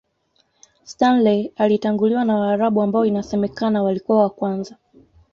Stanley alitanguliwa na Waarabu ambao inasemakana walikuwa wa kwanza